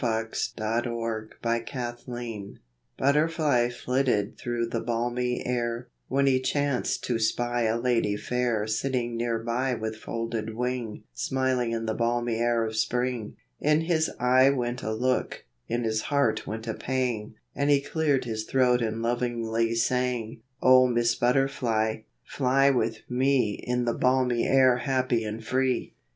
THE LITTLE BLUE MOTH Butterfly flitted thru the balmy air, When he chanced to spy a "lady" fair Sitting nearby with folded wing Smiling in the balmy air of spring, In his eye went a look, in his heart went a pang, And he cleared his throat and lovingly sang: "0 Miss Butterfly, fly with me 8 LIFE WAVES In the balmy air happy and free.